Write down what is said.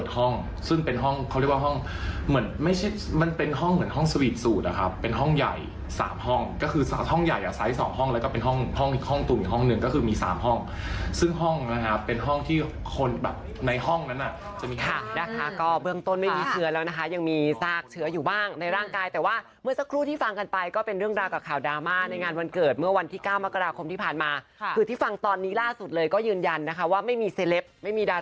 ห้องหนึ่งก็คือมี๓ห้องซึ่งห้องนะครับเป็นห้องที่คนแบบในห้องนั้นน่ะจะมีภาคนะคะก็เบื้องต้นไม่มีเชื้อแล้วนะคะยังมีสากเชื้ออยู่บ้างในร่างกายแต่ว่าเมื่อสักครู่ที่ฟังกันไปก็เป็นเรื่องราวกับข่าวดราม่าในงานวันเกิดเมื่อวันที่๙มกราคมที่ผ่านมาคือที่ฟังตอนนี้ล่าสุดเลยก็ยืนยันนะคะว่าไม